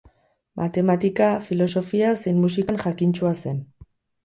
Matematika, filosofia zein musikan jakintsua zen.